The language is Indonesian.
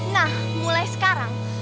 nah mulai sekarang